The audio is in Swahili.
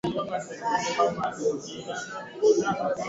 Iran ilikata uhusiano wa kidiplomasia mwaka elfu mbili kumi na sita